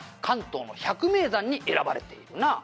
関東の百名山に選ばれているな」